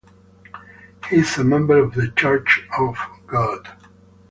He is a member of the Church of God.